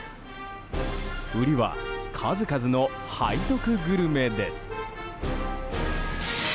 売りは、数々の背徳グルメです。